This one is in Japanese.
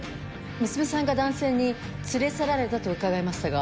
娘さんが男性に連れ去られたと伺いましたが。